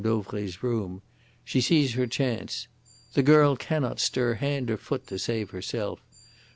Dauvray's room. She sees her chance. The girl cannot stir hand or foot to save herself.